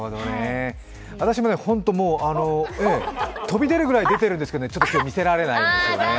私もホント、飛び出るぐらい出てるんですけど、ちょっと今日、見せられないんです。